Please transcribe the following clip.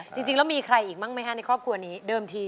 จริงแล้วมีใครอีกบ้างไหมฮะในครอบครัวนี้เดิมที